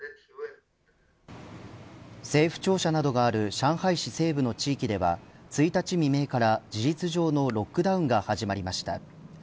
政府庁舎などがある上海市西部の地域では１日未明から事実上のロックダウンが始まりました。